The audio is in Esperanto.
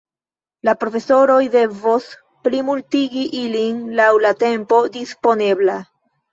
La profesoroj devos plimultigi ilin laŭ la tempo disponebla.